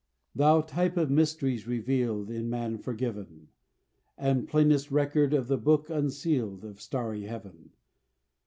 Thou type of mysteries revealed, In man forgiven; And plainest record of the book unsealed, Of starry Heaven!